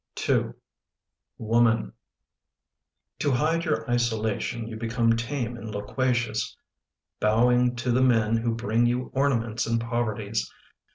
II WOMAN T O hide your isolation, you become Tame and loquacious, bowing to the men Who bring you ornaments and poverties.